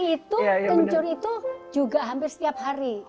itu kencur itu juga hampir setiap hari